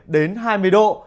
hai mươi bảy đến hai mươi độ